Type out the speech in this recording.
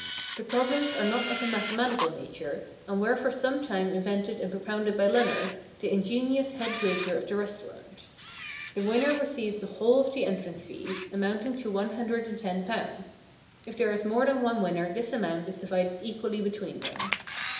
The problems are not of a mathematical nature, and were for some time invented and propounded by Leonard, the ingenious head waiter of the restaurant. The winner receives the whole of the entrance fees, amounting to one hundred and ten pounds ; if there is more than one winner this amount is divided equally between them.